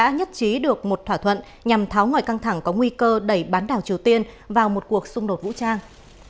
hàn quốc đã nhất trí được một thỏa thuận nhằm tháo ngoại căng thẳng có nguy cơ đẩy bán đảo triều tiên vào một cuộc xung đột vũ trang